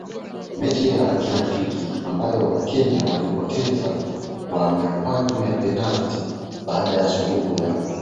mechi ya kirafiki ambao Wakenya walipoteza kwa mikwaju ya penalti baada ya suluhu ya